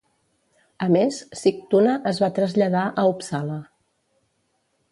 A més, Sigtuna es va traslladar a Uppsala.